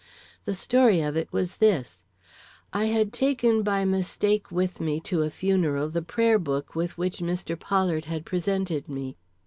The story of it was this. I had taken by mistake with me to a funeral the prayer book with which Mr. Pollard had presented me.